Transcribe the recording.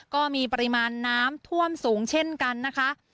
ก็มีปริมาณน้ำท่วมสูงเช่นกันนะคะ